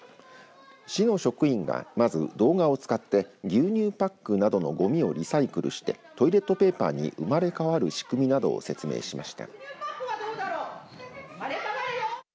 市の職員が、まず動画を使って牛乳パックなどのごみをリサイクルしてトイレットペーパーに生まれ変わる仕組みなどを説明しました。